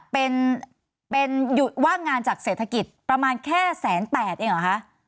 เป็นว่างงานจากเศรษฐกิจประมาณแค่แสนแปดเองเหรอคะ